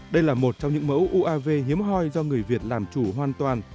đây là một trong những mẫu uav hiếm hoi do người việt làm chủ hoàn toàn